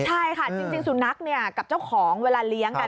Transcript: ใช่ค่ะจริงสุนัขกับเจ้าของเวลาเลี้ยงกัน